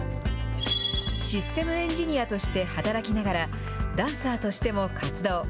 システムエンジニアとして働きながら、ダンサーとしても活動。